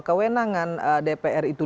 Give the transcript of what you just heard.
kewenangan dpr itu